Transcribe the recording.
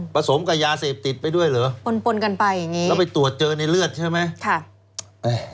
ประสมกับยาเสพติดไปด้วยหรือแล้วไปตรวจเจอในเลือดใช่ไหมปนกันไปอย่างนี้